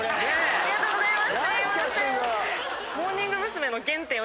ありがとうございます。